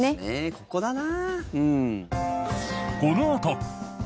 ここだな。